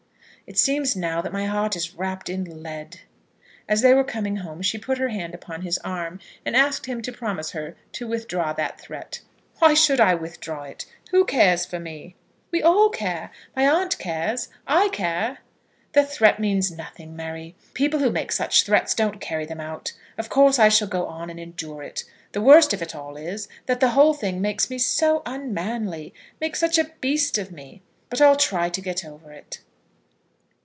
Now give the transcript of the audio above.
"It seems now that my heart is wrapped in lead." As they were coming home she put her hand upon his arm, and asked him to promise her to withdraw that threat. "Why should I withdraw it? Who cares for me?" "We all care. My aunt cares. I care." "The threat means nothing, Mary. People who make such threats don't carry them out. Of course I shall go on and endure it. The worst of all is, that the whole thing makes me so unmanly, makes such a beast of me. But I'll try to get over it."